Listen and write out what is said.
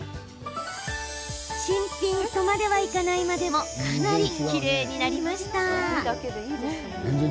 新品とまではいかないまでもかなり、きれいになりました。